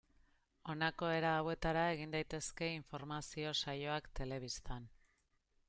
Honako era hauetara egin daitezke informazio saioak telebistan.